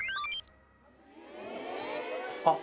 あっ